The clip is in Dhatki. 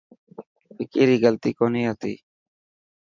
وڪي ري غلطي ڪوني هتي.